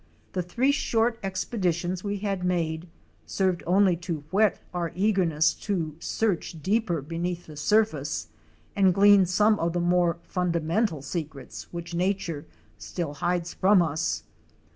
The three short expeditions we had made, served only to whet our eagerness to search deeper beneath the surface, and glean some of the more fundamental secrets which Nature still hides from us.